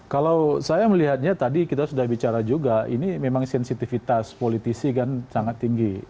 kalau saya melihatnya tadi kita sudah bicara juga ini memang sensitivitas politisi kan sangat tinggi